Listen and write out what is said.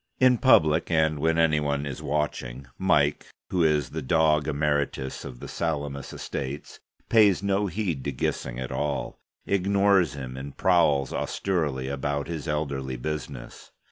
In public, and when any one is watching, Mike, who is the Dog Emeritus of the Salamis Estates, pays no heed to Gissing at all: ignores him, and prowls austerely about his elderly business.